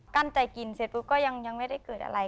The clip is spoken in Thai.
กั้นใจกินเสร็จปุ๊บก็ยังไม่ได้เกิดอะไร